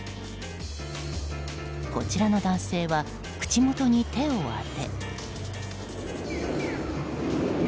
こちらの男性は口元に手を当て。